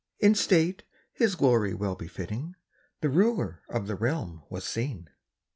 In state his glory well befitting, The ruler of the realm was seen.